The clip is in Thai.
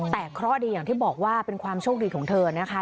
แต่เคราะห์ดีอย่างที่บอกว่าเป็นความโชคดีของเธอนะคะ